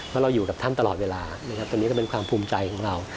ว่าเราอยู่กับทำตลอดเวลานะครับนี่เป็นความภูมิใจของเรา